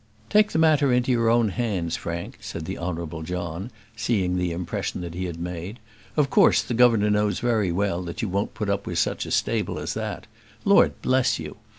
"Take the matter in your own hands, Frank," said the Honourable John, seeing the impression that he had made. "Of course the governor knows very well that you won't put up with such a stable as that. Lord bless you!